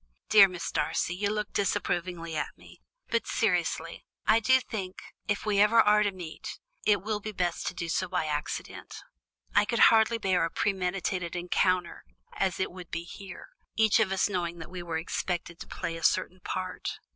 Dear Mrs. Darcy, you look disapprovingly at me, but seriously, I do think, if we ever are to meet, it will be best to do so by accident. I could hardly bear a premeditated encounter as it would be here, each of us knowing that we were expected to play a certain part."